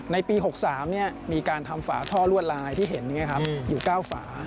ในปี๖๓มีการทำฝาท่อลวดลายที่เห็นอยู่๙ฝา